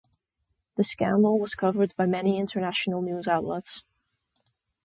The scandal was covered by many international news outlets.